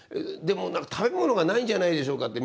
「でも食べ物がないんじゃないでしょうか」